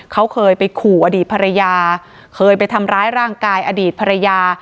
เขาเคยไปขู่อดีตภรรยาเคยไปทำร้ายร่างกายอดีตภรรยา